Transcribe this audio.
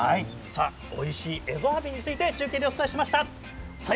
おいしいエゾアワビについて中継でお伝えしました。